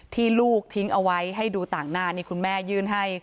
ลูกทิ้งเอาไว้ให้ดูต่างหน้านี่คุณแม่ยื่นให้